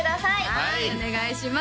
はいお願いします